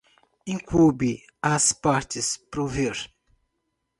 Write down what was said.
incumbe às partes prover